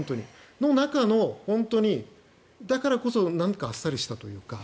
その中の本当にだからこそなんかあっさりしたというか。